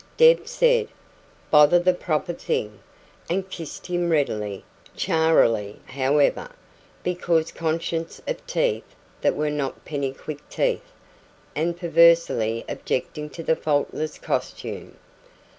Deb said, "Bother the proper thing!" and kissed him readily charily, however, because conscious of teeth that were not Pennycuick teeth, and perversely objecting to the faultless costume.